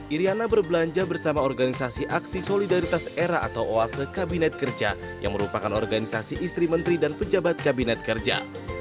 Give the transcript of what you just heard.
iryana berbelanja bersama organisasi aksi solidaritas era atau oase kabinet kerja yang merupakan organisasi istri menteri dan pejabat kabinet kerja